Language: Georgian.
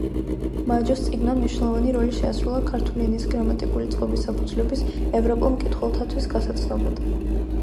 მაჯოს წიგნმა მნიშვნელოვანი როლი შეასრულა ქართული ენის გრამატიკული წყობის საფუძვლების ევროპელ მკითხველთათვის გასაცნობად.